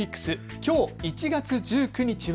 きょう１月１９日は。